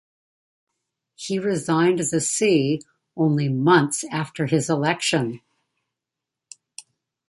He resigned the see only months after his election.